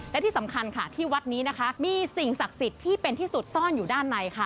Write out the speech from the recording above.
และที่สำคัญค่ะที่วัดนี้นะคะมีสิ่งศักดิ์สิทธิ์ที่เป็นที่สุดซ่อนอยู่ด้านในค่ะ